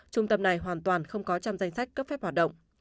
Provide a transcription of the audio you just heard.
trung tâm này hoàn toàn không có trong danh sách cấp phép hoạt động